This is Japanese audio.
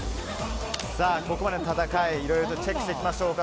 ここまでの戦い、いろいろとチェックしていきましょう。